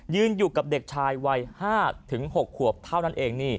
อยู่กับเด็กชายวัย๕๖ขวบเท่านั้นเอง